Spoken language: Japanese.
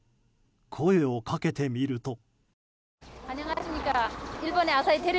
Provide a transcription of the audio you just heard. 声をかけてみると。